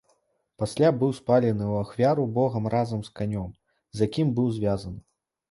Пасля быў спалены ў ахвяру богам разам з канем, з якім быў звязаны.